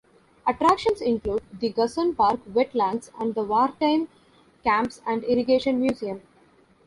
Attractions include the Cussen Park wetlands and the Wartime Camps and Irrigation Museum.